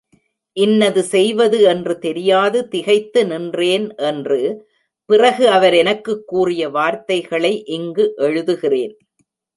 இன்னது செய்வது என்று தெரியாது திகைத்து நின்றேன் என்று பிறகு அவர் எனக்குக் கூறிய வார்த்தைகளை இங்கு எழுதுகிறேன்.